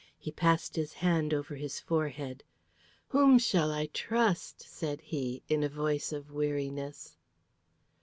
He passed his hand over his forehead. "Whom shall I trust?" said he, in a voice of weariness.